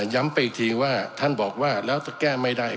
ย้ำไปอีกทีว่าท่านบอกว่าแล้วจะแก้ไม่ได้